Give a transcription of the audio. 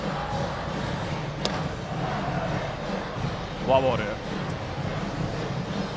フォアボール。